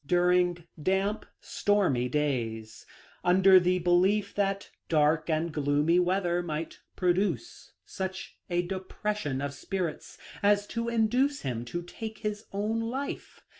during damp, stormy days, under the belief that dark and gloomy weather might produce such a de pression of spirits as to induce him to take his own life.